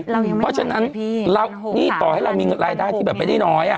เพราะฉะนั้นนี่ต่อให้เรามีรายได้ที่แบบไม่ได้น้อย